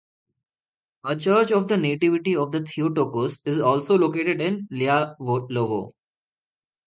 A Church of the Nativity of the Theotokos is also located in Lyalovo.